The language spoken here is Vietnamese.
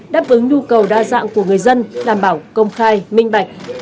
đáp ứng nhu cầu đa dạng của người dân đảm bảo công khai minh bạch